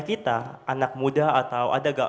kita anak muda atau ada gak